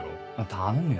頼むよ